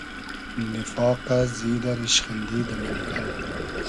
نیفاقۂ ، زیدۂ ، ریشخیندی دۂ مېنکئل